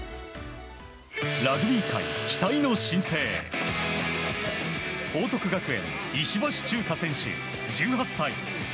ラグビー界、期待の新星報徳学園、石橋チューカ選手１８歳。